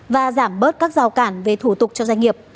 và giảm bớt các giao cản về thủ tục cho doanh nghiệp